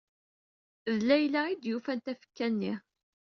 D Layla ay d-yufan tafekka-nni.